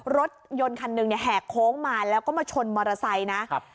รถยนต์คันหนึ่งเนี่ยแหกโค้งมาแล้วก็มาชนมอเตอร์ไซค์นะครับ